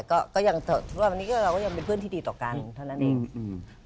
ก็ก็ยังแต่ว่าวันนี้ก็เราก็ยังเป็นเพื่อนที่ดีต่อกันเท่านั้นเองอืม